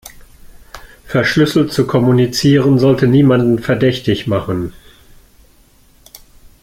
Verschlüsselt zu kommunizieren sollte niemanden verdächtig machen.